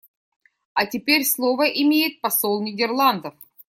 А теперь слово имеет посол Нидерландов.